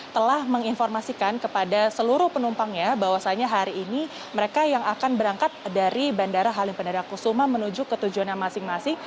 telah menginformasikan kepada seluruh penumpangnya bahwasannya hari ini mereka yang akan berangkat dari bandara halim perdana kusuma menuju ke tujuan yang masing masing